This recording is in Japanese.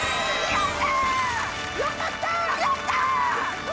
やった！